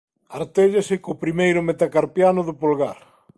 Artéllase co primeiro metacarpiano do polgar.